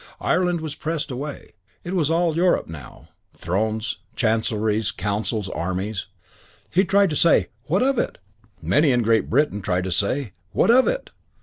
Ireland was pressed away. It was all Europe now thrones, chancelleries, councils, armies. He tried to say, "What of it?" Many in Great Britain tried to say, "What of it?"